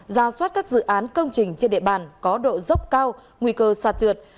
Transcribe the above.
ra soát các dự án công trình trên địa bàn có độ dốc cao nguy cơ sạt trượt